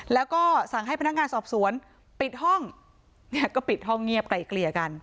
แล้วก็สั่งให้พนักงานสอบสวนปิดห้องเนี่ยก็ปิดห้องเงียบไกลเกลี่ยกัน